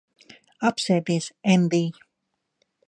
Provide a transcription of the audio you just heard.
Apsēdies, Endij.